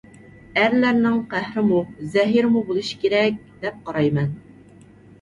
«ئەرلەرنىڭ قەھرىمۇ، زەھىرىمۇ بولۇشى كېرەك» دەپ قارايمەن.